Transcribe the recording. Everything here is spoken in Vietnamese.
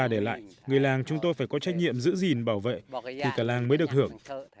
nếu mà xấu người ta để lại người làng chúng tôi phải có trách nhiệm giữ gìn bảo vệ thì cả làng mới được thưởng